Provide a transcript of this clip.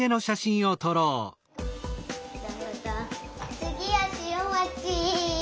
つぎはしおまち！